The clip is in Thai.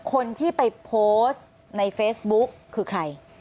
คนที่ไปโพสต์ในเฟซบุ๊กคือใคร